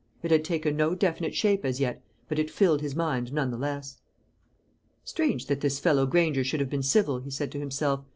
It had taken no definite shape as yet, but it filled his mind none the less. "Strange that this fellow Granger should have been civil," he said to himself.